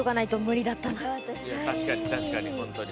確かに確かに本当に本当に。